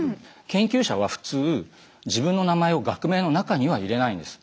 研究者は普通自分の名前を学名の中には入れないんです。